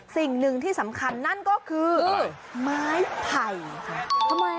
สิ่งหนึ่งที่สำคัญนั่นก็คือไม้ไผ่ค่ะ